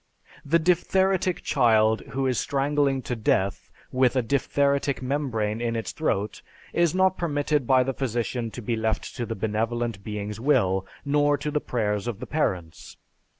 The diphtheritic child who is strangling to death with a diphtheritic membrane in its throat is not permitted by the physician to be left to the benevolent being's will, nor to the prayers of the parents.